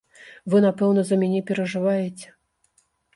Вы напэўна за мяне перажываеце?